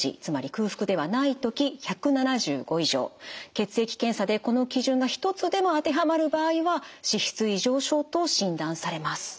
血液検査でこの基準が一つでも当てはまる場合は脂質異常症と診断されます。